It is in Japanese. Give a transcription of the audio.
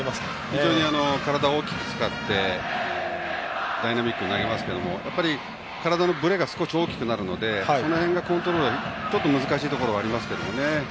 非常に体を大きく使ってダイナミックに投げますけどもやっぱり体のぶれが大きくなるのでその辺のコントロールが難しいところがありますけどね。